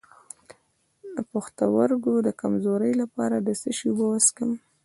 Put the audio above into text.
د پښتورګو د کمزوری لپاره د څه شي اوبه وڅښم؟